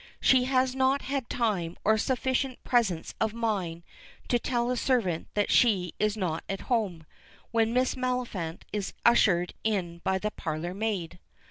She has not had time or sufficient presence of mind to tell a servant that she is not at home, when Miss Maliphant is ushered in by the parlor maid.